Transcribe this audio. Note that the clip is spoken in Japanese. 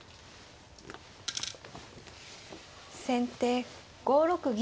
先手５六銀。